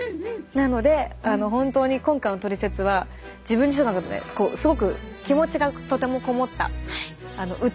なのであの本当に今回の「トリセツ」は自分自身の中でねすごく気持ちがとてもこもった訴えたい回でしたね。